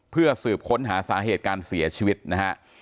เพื่อสืบค้นหาสาเหตุการเสียชีวิตนะฮะ